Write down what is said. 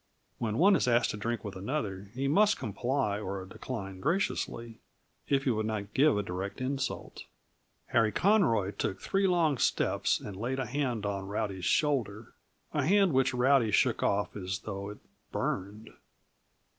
When one is asked to drink with another, he must comply or decline graciously, if he would not give a direct insult. Harry Conroy took three long steps and laid a hand on Rowdy's shoulder a hand which Rowdy shook off as though it burned.